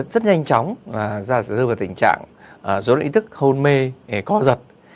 rất nhanh chóng ra sẽ dư vào tình trạng dối lý tức hôn mê co giật